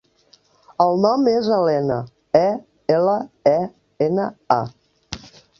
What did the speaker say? El nom és Elena: e, ela, e, ena, a.